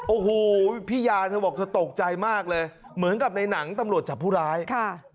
โอ้โหพี่ยาเธอบอกเธอตกใจมากเลยเหมือนกับในหนังตำรวจจับผู้ร้ายค่ะ